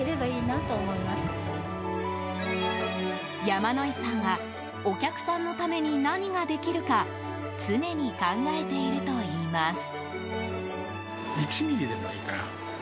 山野井さんはお客さんのために何ができるか常に考えているといいます。